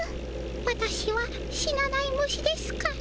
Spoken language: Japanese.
わたしは死なない虫ですから。